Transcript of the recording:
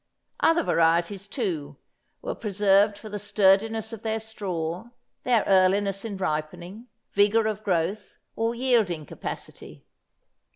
Other varieties, too, were preserved for the sturdiness of their straw, their earliness in ripening, vigour of growth, or yielding capacity.